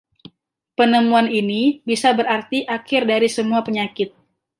Penemuan ini bisa berarti akhir dari semua penyakit.